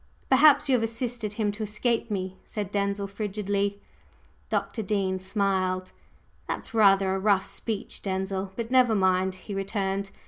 "Perhaps you have assisted him to escape me!" said Denzil frigidly. Dr. Dean smiled. "That's rather a rough speech, Denzil! But never mind!" he returned.